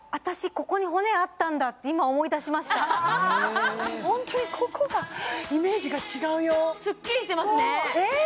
ここに骨あったんだって今思い出しましたホントにここがスッキリしてますねえ！？